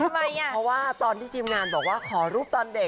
เพราะว่าตอนที่ทีมงานบอกว่าขอรูปตอนเด็ก